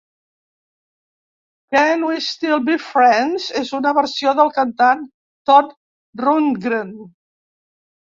"Can We Still Be Friends" és una versió del cantant Todd Rundgren.